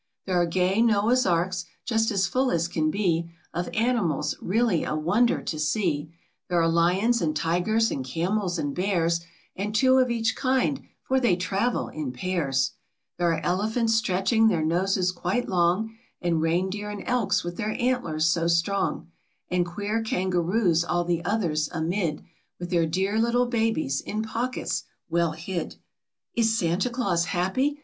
There are gay Noah's Arks, just as full as can be Of animals, really a wonder to see ; There are lions, and tigers, and camels, and bears, And two of each kind, for There are elephants stretching their noses quite long ; And reindeer and elks with their antlers so strong, And queer kangaroos all the others amid, With their dear little babies in pockets well hid. Is Santa Claus happy?